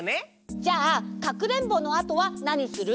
じゃあかくれんぼのあとはなにする？